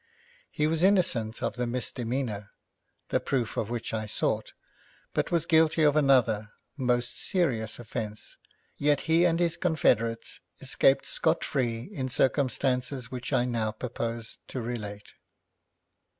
He was innocent of the misdemeanour, the proof of which I sought, but was guilty of another most serious offence, yet he and his confederates escaped scot free in circumstances which I now purpose to relate.